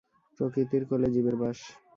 প্রকৃতির কোলে জীবের বাস।